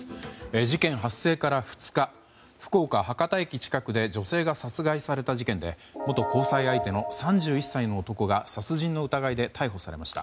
事件発生から２日福岡博多駅近くで女性が殺害された事件で元交際相手の３１歳の男が殺人の疑いで逮捕されました。